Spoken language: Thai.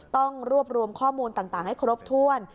ต้องรวบรวมข้อมูลต่างให้ครบถ้วน